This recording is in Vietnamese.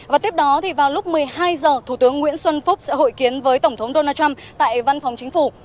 và tiếp đó vào lúc một mươi hai h thủ tướng nguyễn xuân phúc sẽ hội kiến với tổng thống donald trump tại văn phòng chính phủ